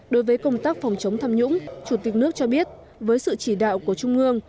đối với công tác phòng chống tham nhũng chủ tịch nước cho biết với sự chỉ đạo của trung ương